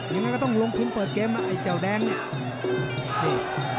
อย่างนั้นก็ต้องลงทิ้งเปิดเกมนะไอ้เจ้าแดงเนี่ย